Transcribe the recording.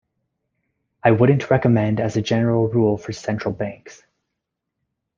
I wouldn't recommend as a general rule for central banks.